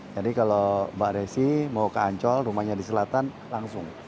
jadi kalau mbak desi mau ke ancol rumahnya di selatan langsung